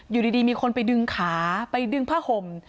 อยู่ดีมีคนไปดึงขาไปดึงผ้าห่ม